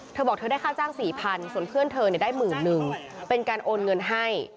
เธอบอกเธอได้ค่าจ้าง๔๐๐๐ส่วนเพื่อนเธอได้หมื่นหนึ่งเป็นการโอนเงินให้